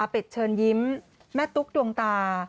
เชิญยิ้มแม่ตุ๊กดวงตา